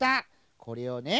これをね